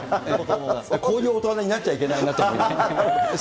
こういう大人になっちゃいけないなと。